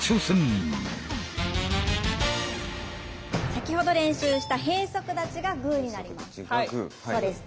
先ほど練習した閉足立ちがグーになります。